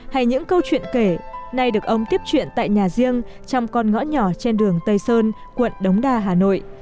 hay những câu chuyện kể nay được ông tiếp truyện tại nhà riêng trong con ngõ nhỏ trên đường tây sơn quận đống đa hà nội